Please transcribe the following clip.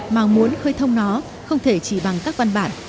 mà muốn khơi thông nó không thể chỉ bằng các văn bản